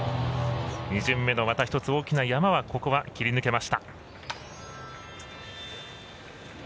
２巡目のまた一つ大きな山は切り抜けました。